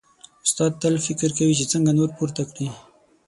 استاد تل فکر کوي چې څنګه نور پورته کړي.